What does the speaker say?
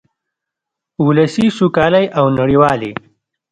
ولسي سوکالۍ او نړیوالې